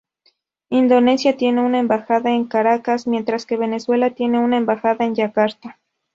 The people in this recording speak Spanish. Indonesia tiene una embajada en Caracas, mientras que Venezuela tiene una embajada en Yakarta.